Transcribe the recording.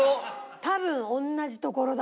多分同じ所だ。